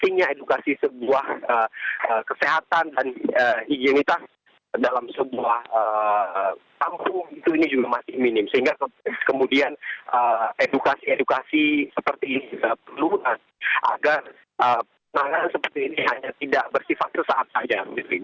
sehingga kemudian edukasi edukasi seperti ini tidak perlu agar penanganan seperti ini hanya tidak bersifat sesaat saja